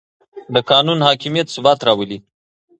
د قانون حاکمیت ثبات راولي